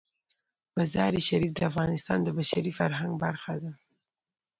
مزارشریف د افغانستان د بشري فرهنګ برخه ده.